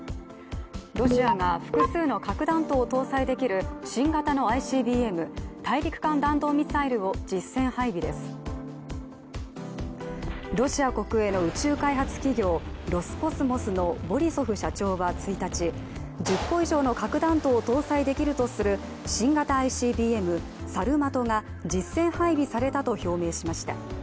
ロシアが複数の核弾頭を搭載できるロシア国営の宇宙開発企業ロスコスモスのボリソフ社長は１日１０個以上の核弾頭を搭載できるとする新型ＩＣＢＭサルマトを実戦配備されたと表明しました。